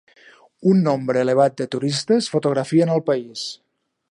Un nombre elevat de turistes fotografien el país.